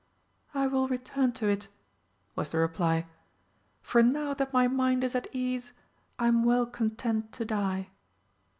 "I will return to it," was the reply, "for now that my mind is at ease I am well content to die."